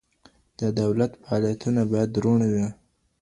د دولت فعالیتونه باید روڼ وي.